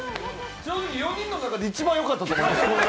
正直４人の中で一番よかったと思います。